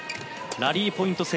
ラリーポイント制。